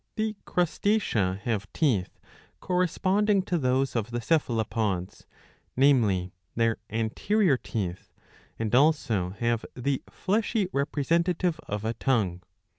The Crustacea have teeth corresponding to those of the Cephalopods, namely their anterior teeth,^ and also have the fleshy representative of a tongue.